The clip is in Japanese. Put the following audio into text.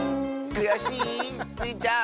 くやしい？スイちゃん。